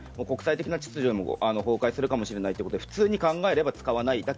国際的な秩序も崩壊するかもしれないということで普通に考えれば使わない。